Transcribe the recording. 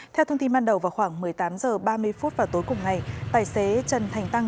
theo thông tin ban đầu vào khoảng một mươi tám h ba mươi vào tối cùng ngày tài xế trần thành tăng